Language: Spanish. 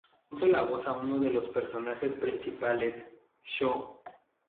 Puso la voz a uno de los personajes principales: Sho.